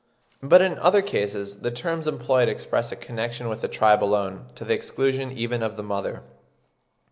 But in other cases the terms employed express a connection with the tribe alone, to the exclusion even of the mother.